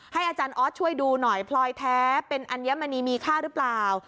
อาจารย์ออสช่วยดูหน่อยพลอยแท้เป็นอัญมณีมีค่าหรือเปล่า